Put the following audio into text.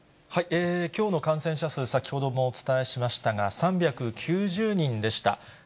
きょうの感染者数、先ほどもお伝えしましたが、３９０人でした。